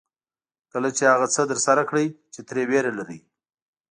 کله چې هغه څه ترسره کړئ چې ترې وېره لرئ.